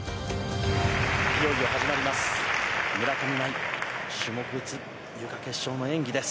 いよいよ始まります。